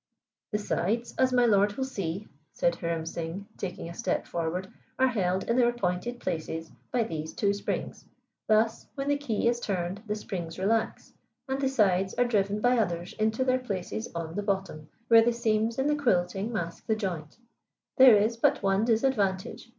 "The sides, as my lord will see," said Hiram Singh, taking a step forward, "are held in their appointed places by these two springs. Thus, when the key is turned the springs relax, and the sides are driven by others into their places on the bottom, where the seams in the quilting mask the join. There is but one disadvantage.